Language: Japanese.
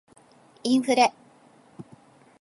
インフレ